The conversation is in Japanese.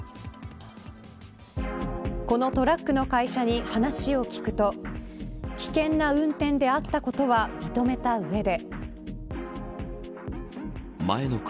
このトラックの会社に話を聞くと危険な運転であったことは認めた上で。